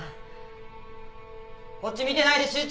こっち見てないで集中！